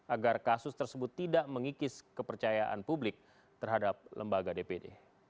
agar kasus tersebut tidak mengikis kepercayaan publik terhadap lembaga dpd